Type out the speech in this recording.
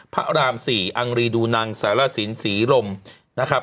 พระราม๔อังรีดูนังสารสินศรีลมนะครับ